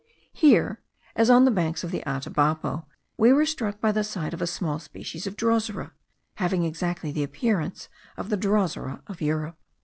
Here, as on the banks of the Atabapo, we were struck by the sight of a small species of drosera, having exactly the appearance of the drosera of Europe.